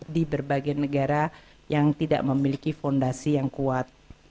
di berbagai negara yang tidak memiliki fondasi yang kuat